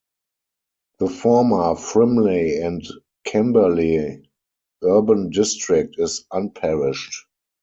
The former Frimley and Camberley Urban District is unparished.